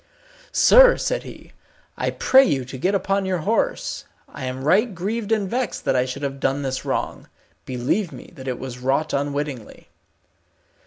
"Sir," said he, "I pray you to get upon your horse. I am right grieved and vexed that I should have done this wrong. Believe me that it was wrought unwittingly."